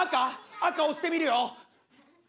赤押してみるよ。